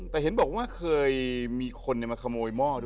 แต่เห็นบอกว่าเคยมีคนมาขโมยหม้อด้วย